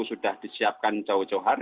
sudah disiapkan jauh jauh